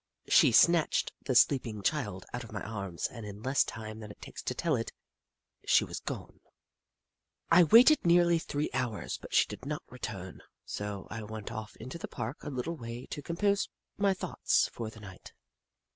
She snatched the sleeping child out of my arms, and in less time than it takes to tell it, she was gone. I waited nearly three hours, but she did not return, so I went off into the Park a little way to compose my thoughts for the night.